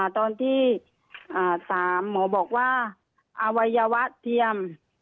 ตอนที่๓หมอบอกว่าอวัยวะเทียม